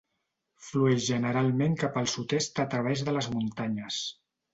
Flueix generalment cap al sud-est a través de les muntanyes.